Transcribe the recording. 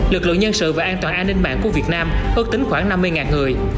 lực lượng nhân sự và an toàn an ninh mạng của việt nam ước tính khoảng năm mươi người